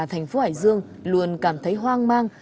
thành phố hải dương luôn cảm thấy hoang mang